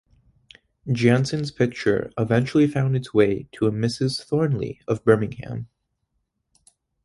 Janssen's picture eventually found its way to a Mrs Thornley of Birmingham.